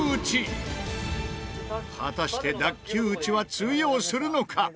果たして脱臼打ちは通用するのか？